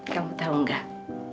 kamu tau gak